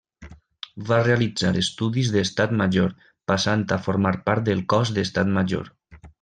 Va realitzar estudis d'Estat Major, passant a formar part del Cos d'Estat Major.